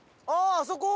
あそこ？